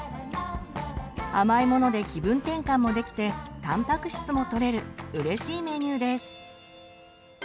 甘いもので気分転換もできてたんぱく質も取れるうれしいメニューです。